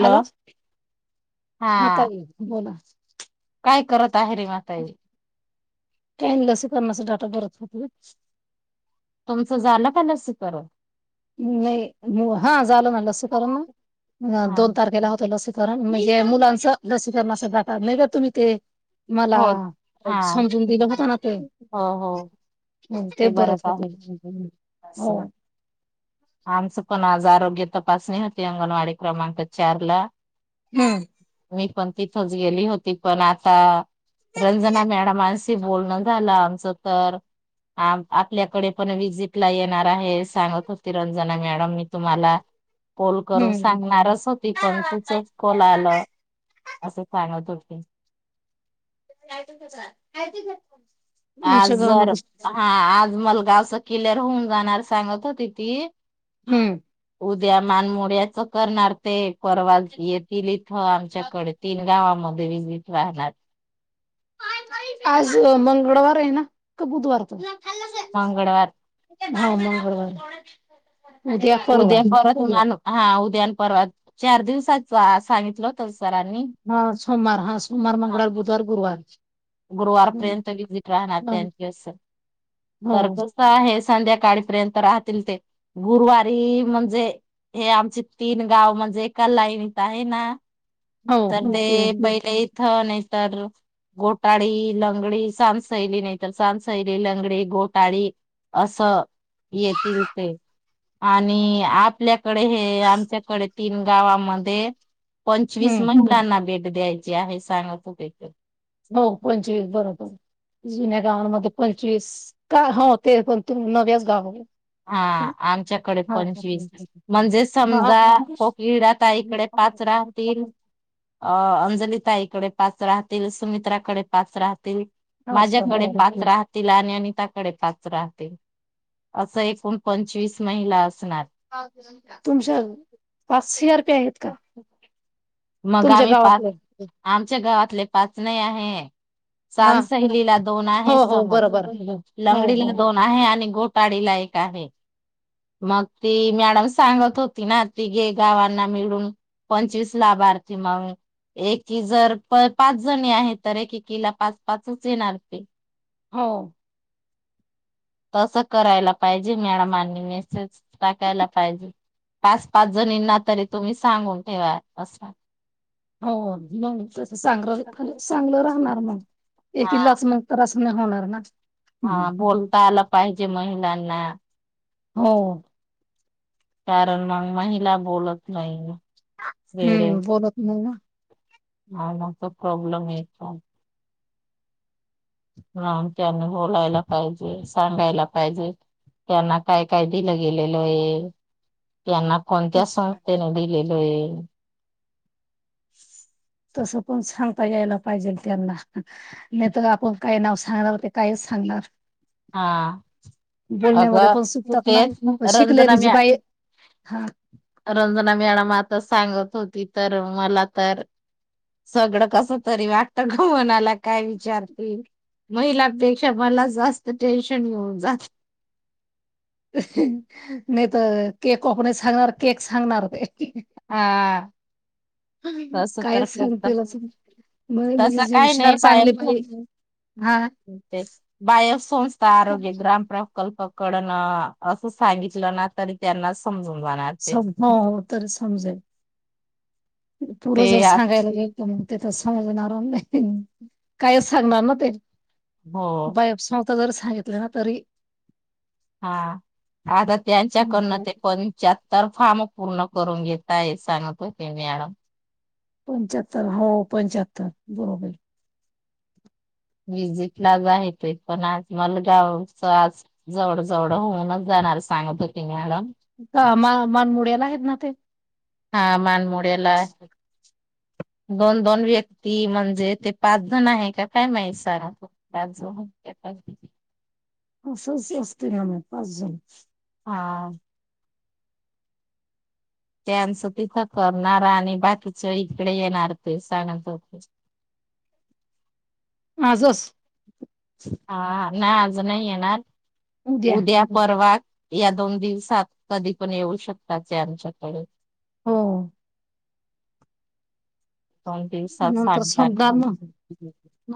Hello, हा ताई बोला काय करत आहे रेवा ताई? काय नाय लसीकरणाचा डाटा भरत होतो. तुमचं झालं का लसीकरण? नाही म हा झाल ना लसीकरण ना हा दोन तारखेला होतं लस करण म्हणजे मुलांच लसीकरणा अस जातात नाही का तुम्ही ते मला हो हा समजून दिलं होता ना ते हो हो, ते बरच बरोफत आहे हो, आमस पण आज आरोग्य तपासणी होते अंगनवाडी क्रमांक चारला हम्म, मी पण तिथच गेली होती पण आता रंजना मॅडमांशी बोलणं झालं आमचं तर आपल्याकडे पण विजिट ला येणार आहे सांगत. तिरंजना मॅडम मी तुम्हाला कोल करून हम्म सांगणारच होती पण तुचच कोल आलं असं सांगत हो [inaudible] काय ते बघ, आज जर हा आज मलगावच किल्ल्यार होऊन जाणार सांगत होती ती हम्म, उद्या मानमोड्याच करणार ते परवाल येतील इथं आमच्या कडतील गावामध्ये विजिट राहणार [unintelligible] आज मंगळवार आहे ना का बुधवार त मंगळवार, हा मंगळवार, उद्या परत हा उद्यान परत चार दिवसाच सांगितलं होत. सरांनी हा सोमवार हा सोमवार मंगळवार बुधवार गुरुवार हम्म. गुरुवारपर्यंत विजिट राहणार त्यांच्या हो तरस आहे. संध्याकाळीपर्यंत राहतील ते गुरुवारी म्हणजे हे आमचे तीन गाव म्हणजे एका लाईनत आहे ना. हो, तर हो. ते हं. पहिले इथं नाही तर गो गोटाळी, लंगडी, सामसैली नाही तर सामसैली, लंगडी घोटाळी. असं येतील ते आणि आपल्याकडे हे आमच्याकडे तीन गावामध्ये पंचवीस महिलांना भेट द्यायची आहे. सांगा कुठ हो. पंचवीस बरोबर, जुन्या गावांमध्ये पंचवीस का हो ते पण तुम नव्याच गावावर हा आमच्याकडे पंचवीस म्हणजे हां. समजा कोकिरदा ताईकडे पाच राहतील. अ अंजलिताईकडे पाच राहतील. सुमित्राकडे पाच राहतील. अच्छा, हो. माझ्याकडे पाच राहतील. आणि कडे पाच राहतील. अस एकूण पंचवीस महिला असणार. तुमच्या पाच [inaudible] मग तुमच्या आम्ही पाच गावातले? आमच्या गावातले पाच नाही आहे. हां. समसैलीला दोन हो, आहे. हो. बरोबर. हो, हो. लंगडीला दोन आहे. आणि गो आहे. मग ती मॅडम सांगत होती ना. तिघे गावाना मिळून पंचवीस लाभार्थी मग एकी जर प पाच जणी आहेत. तर एकेकीला पाच पाचच येणार ते हो, [inaudible] तसं करायला पाहिजे. मॅडमांनी मॅसेज टाकायला पाहिजे. पाच पाच जणींना तरी तुम्ही सांगून ठेवा. असा, हो, मग तस चांगलं असं. चांगलं राहणार मग हा एकिलाच मग त्रास अस नाही होणार ना. हम्म. हा बोलता आला पाहिजे महिलांना हो, कारण मग महिला बोलत नाही. हम्म बोलत नाही ना.. हा मग तो प्रॉब्लेम येतो. हा त्यांनी बोलायला पाहिजे. सांगायला पाहिजे. त्यांना काय काय दिलं गेलेलं आहे? त्यांना कोणत्या संस्थेने दिलेल आहे? [inaudible] तस पण सांगता यायला पाहिजेल त्यांना, नाही तर आपण काय नाव सांगणार ते काय सांगणार. हा बोलण्यामध्ये पण अगं चुकतात ना तेच शिकलेली रंजना जी मॅ बाई हा रंजना मॅडम आता सांगत होती तर मला तर सगळं कसं तरी वाटतं गं, मनाला काय विचारती? महिलांपेक्षा मला जास्त टेन्शन येऊन जातं. नाही तर केक [unintelligible] नाही सांगणार केक सांगणार. हा, तसं काय तर [unintelligible] सांगतीलच म्हणजे तसं जी काय हुशार नाही, चांगली बायांच्या बाई हा ते बाह्य संस्था आरोग्य ग्राम प्रकल्प. कडणं असं सांगितलं ना तरी त्यांना समजु सम हो तर समजेल. पुरं ते जर आता- सांगायला गेलं त म. ते तर समजणार नाही, कायच सांगणार ना ते, हो बाह्य स ता जर सांगितलं ना तरी हा, आता त्यांच्याकडून ते कोणच्यात् तर फॉर्म मग पूर्ण करून घेताय सांगत होते मॅडम. पंचाहत्तर हो पंचाहत्तर बरोबर. विजिटला आज आहे ते, पण आज मला गावच आज जवळ जवळ होऊन जा होणार सांगत होती मॅडम. का मा मानमुड्याला आहेत ना ते? हा मानमोड्याला. दोन दोन व्यक्ती म्हणजे ते पाच जण आहे का काय माहित? सरा पाच जण [unintelligible] असं असं असते ना म पाच जण. हा. त्याचं तिथं करणार आणि बाकीच इकडे येणार ते, सांगत होते. [unintelligible] आजच हा नाय आज नाय येणार, उद्या परवा या दोन दिवसात कधी पण येऊ शकतात ते आमच्याकडे. हो. दोन दिवसात नंतर सगळा सांगतात न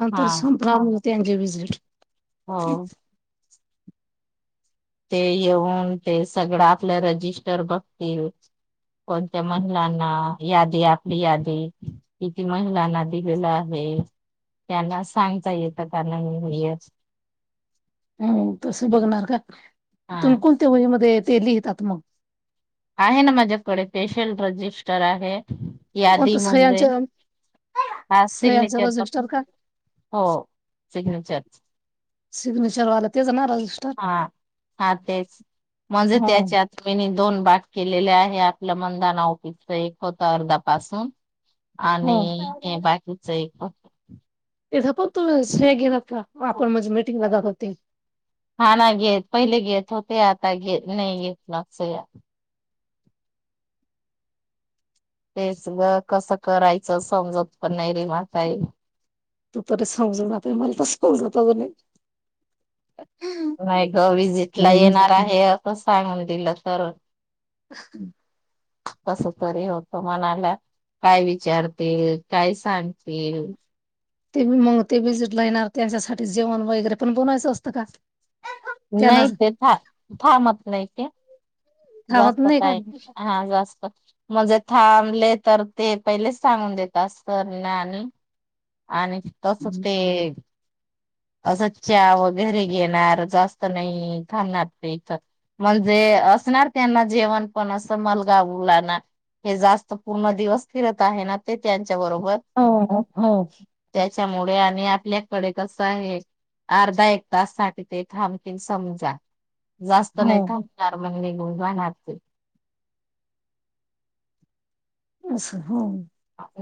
नंतर हा [unintelligible] त्यांची विजिट. हो. ते येऊन ते सगळं आपलं रजिस्टर बघतील. कोणत्या महिलांना यादी आपली यादी किती महिलांना दिलेलं आहे. हे त्यांना सांगता येतं त्यांना [unintelligible] हम्म, तसं बघणार का? हा तुम्ही कोणत्या वही मध्ये ते लिहितात मग? आहे ना माझ्याकडे स्पेशल रजिस्टर आहे, यादी कोणतं म्हणजे सह्यांच्या हा सिग्नेचर सह्यांचं पण, रजिस्टर का हो सिग्नेचर. सिग्नेचरवाला तेच ना र हा, हा तेच म्हणजे हो त्याच्यात मिनी दोन भाग केलेले आहे आपलं मनधना ऑफिसचं एक होतं अर्धा पासून. हो आणि हे बाकीच एक तथे पण तु हे गेला का आपण म्हणजे मिीटिंगला जातोते? हा ना घेत पहिले घेत होते आता नाही घेत नाय साह्य. तेच ग कसं करायचं समजत पण नाही रे काही तू त समजून जाते मला तर समजत पण नाही. नाही ग विजिटला येणार आहे असं सांगून दिलं तर? ह [unintelligible] कसंतरी होत मनाला. काय विचारतील काय सांगतील? ते मग ते व्हिजिटला येणार त्यांच्यासाठी जेवण वगैरे पण बनवायचं असतं का? त्यांना नाही ते थां थांबत नाही की? थांबत जास्त का? नाही हा जास्त म्हणजे थांब तर ते ते पहिलेच सांगून देत अस तर ना आणि आणि तसच ते चहा वैगरे घेणार जास्त नाही थांबणार ते इथ. म्हणजे असणार त्यांना जेवण पण असं मन गावलाणा. हे जास्त पूर्ण दिवस फिरत आहे ना ते त्या हो हो हो त्याच्यामुळे आणि आपल्याकडे कस आहे. अर्धा एक तास साठी ते थांबतील समजा. जास्त हो नाही थांबणार म्हण हो बन नाते अस हो.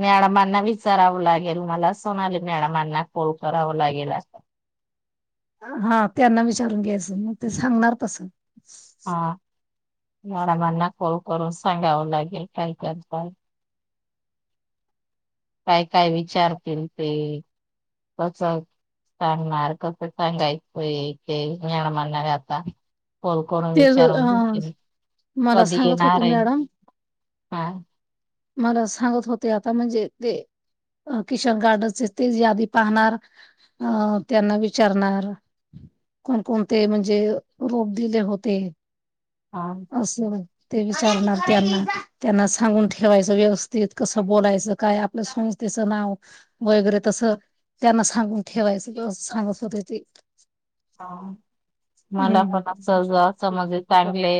मॅडमना विचारावं लागेल मला आले मॅडमांना फोन कराव लागेल अस. हा त्यांना विचारून घ्यायचं मग ते सांगणार तसं हा मॅडमांना कॉल करून सांगावं लागेल काय करताय काय काय विचारतील ते कस सांगणार कस सांगायचोय ते म्हणणार आता कॉल करून ते अ विचारून घेते मी मला कधी सांगत येणार होते आहे मॅडम हा मला सांगत होते आता म्हणजे ते अ किशन गार्डनचे ते यादी पाहणार अ त्यांना विचारणार कोणकोणते म्हणजे रोप दिले होते हा असं ते विचारणार त्यांना त्यांना सांगून ठेवायचं व्यवस्थित कसं बोलायचं काय आपलं स्य त्याचं नाव वगैरे तस त्यांना सांगून ठेवायचं सांगत होते ते ह मला हम्म पण अस समजे चांगले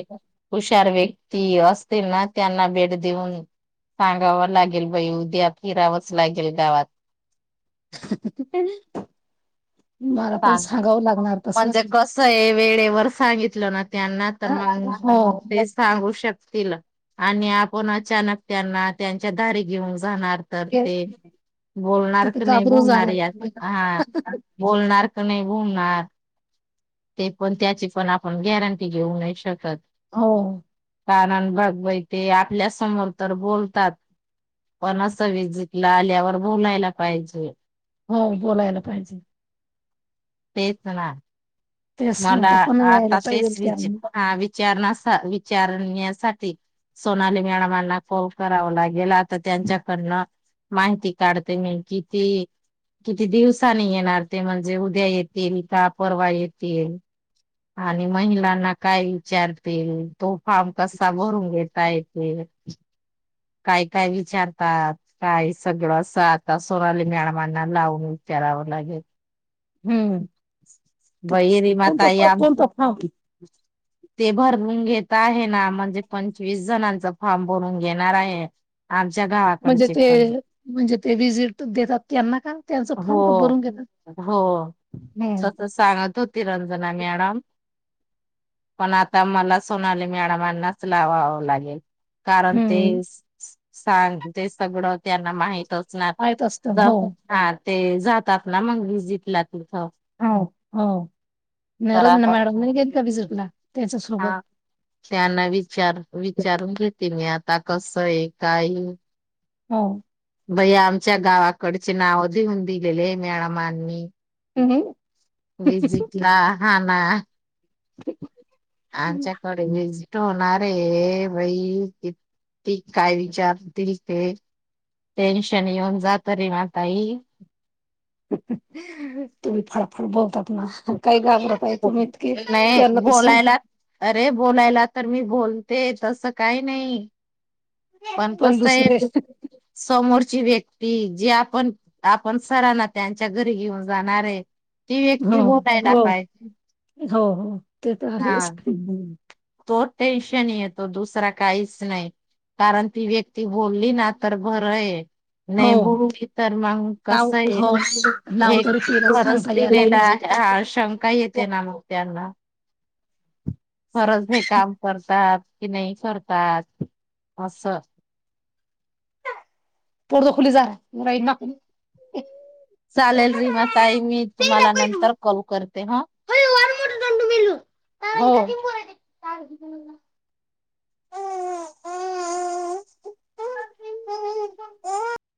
हुशार व्यक्ती असतील ना त्यांना भेट देऊन सांगाव लागेल भाई उद्या फिरावंच लागेल गावात हा म्हणजे कस आहे वेळेवर सांगितलं ना त्यांना तर मग हो ते सांगू शकतील आणि आपण अचानक त्यांना त्यांच्या दारी घेऊन जाणार तर ते बोलणार तिथे का नाही घाबरून बोलणार या जाणार हा बोलणार का नाही बोलणार ते पण त्याची पण आपण गॅरंटी घेऊ नाही शकत हो कारण बघवाय ते आपल्या समोर तर बोलतात पण असं विजीटला ‌आल्यावर बोलायला पाहिजे हो बोलायला पाहिजे. तेच ना, ते मला सांगता पण यायला आता पाहिजे तेच विची त्यांना आ वि चारणासा विचारण्यासाठी सोनाली मॅडमांना कॉल करावं लागेल, आता त्यांच्याकडनं माहिती काढते मी कि ती किती दिवसांनी येणार ते म्हणजे उद्या येतील का परवा येे तील आणि महिलांना काय विचारतील? तो फॉर्म कसा भरून घेता येतेे? काय काय विचारतात? काय सगळं असं आता सोनाली मॅडमांना लावून विचारा. लागेल. हम्म बई विमा ताई कोणता कोणता फॉर्म [unintelligible] ते भरून घेत आहे ना म्हणजे पंचवीस जणांचा फॉर्म भरून घेणार आहे, आन् म्हणजे ते म्हणजे ते विजिट देतात त्यांना का? त्यांच फॉर्म हो. भरून घेतात. हम्म स सांगत होती रंजना मॅडम. पण आता मला सोनाली मॅडमांनाच लावावं लागेल. कारण ते हम्म. स स सांग ते सगळं त्यांना माहित अस सणार, माहित असत हो जातात ना ते जातात ना मग विजिटला तिथं. हो हो, नाय तर रजना आता मॅडम नाही येत का विजीटला? हा, त्यांना विचार विचारून घेते मी आत ता कसंय काय? हो बई आमच्या गावाकडचे नाव देऊन दिलेले मॅडमांनी. [unintelligible] विजीटला हा ना. [unintelligible] आमच्याकडे विजिट होणार. अरे बाई, किती काय विचारतील ते? टेन्शन येऊन जातं रेवा ताई. तुम्ही फडफडा बोलतात ना, काही घाबरत आहे तुम्ही इतके नाही, त्यांना तर सांग बोलायला अरे बोलायला तर मी बोलते तसं काही नाही. पण कसंय, समोरची व्यक् ती जी आपण आपण सरांना त्यांच्या घरी घेऊन जाणार आहे. ती व्यक्ती हो [unintelligible] हो हो, ते तर हा आहेच. तो टेन्शन येतो दुसरा काहीच नाही. कारण ती व्यक्ती बोलली ना तर बरं आहे. हो नाही बोलू की तर मग नाव कसंय, हो नाव हे तरी तिला खरंच सांगता यायला दिलेला पाहिजे. हा शंका येते ना मग त्यांना. खरंच हे काम करतात कि नाही करतात असं. [unintelligible] चालेल रीमा ताई मी तुम्हाला नंतर कॉल करते हा. [unintelligible] [inaudible]